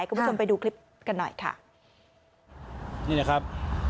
คุณผู้ชมไปดูคลิปกันหน่อยค่ะนี่นะครับ